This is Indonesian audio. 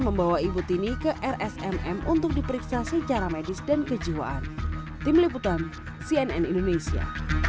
membawa ibu tini ke rsmm untuk diperiksa secara medis dan kejiwaan tim liputan cnn indonesia